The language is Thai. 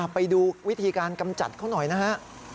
ไปดูวิธีการกำจัดเขาหน่อยนะฮะ